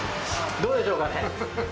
どうでしょうかね。